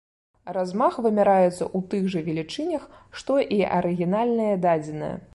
Размах вымяраецца ў тых жа велічынях, што і арыгінальныя дадзеныя.